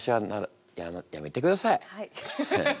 はい。